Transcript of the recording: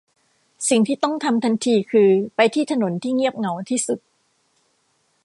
สิ่งที่ต้องทำทันทีคือไปที่ถนนที่เงียบเหงาที่สุด